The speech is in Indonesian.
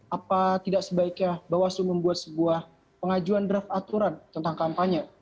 apa tidak sebaiknya bawaslu membuat sebuah pengajuan draft aturan tentang kampanye